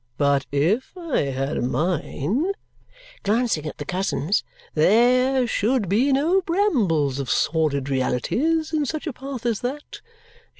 But if I had mine," glancing at the cousins, "there should be no brambles of sordid realities in such a path as that.